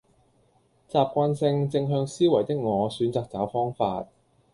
習慣性正向思維的我選擇找方法